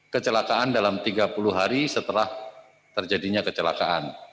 kecelakaan dalam tiga puluh hari setelah terjadinya kecelakaan